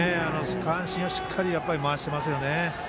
下半身をしっかり回していますよね。